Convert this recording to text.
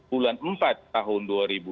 bulan empat tahun dua ribu dua puluh